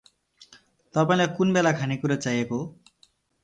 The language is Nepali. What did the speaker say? तपाइलाइ कुन बेलाको खानेकुरा चाहिएको हो?